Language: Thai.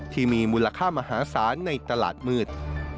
ที่มีมูลค่ามหาศาลในตลาดมืด